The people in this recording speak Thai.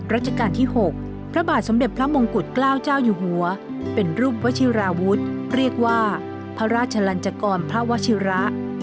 ราชการที่๖พระบาทสมเด็จพระมงกุฎเกล้าเจ้าอยู่หัวเป็นรูปวชิราวุฒิเรียกว่าพระราชลันจกรพระวชิระ